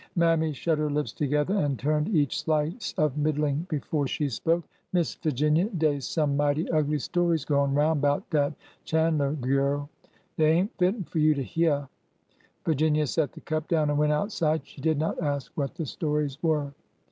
Mammy shut her lips together and turned each slice of 286 ORDER NO. 11 middling before she spoke. '' Miss Figinia, dey 's some mighty ugly stories goin' roun' 'bout dat Chan'ler gyurl. Dey ain't fittin' for you to hyeah." Virginia set the cup down and went outside. She did not ask what the stories were.